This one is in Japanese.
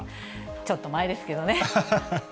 ちょっと前ですけどね。